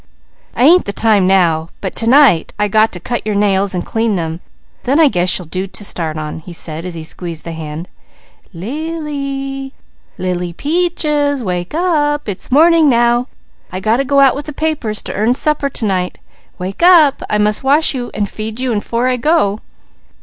"I ain't the time now, but to night I got to cut your nails and clean them, then I guess you'll do to start on," he said as he squeezed the hand. "Lily! Lily Peaches, wake up! It's morning now. I got to go out with the papers to earn supper to night. Wake up! I must wash you and feed you 'fore I go."